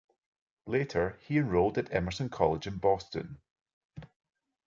Later, he enrolled at Emerson College in Boston.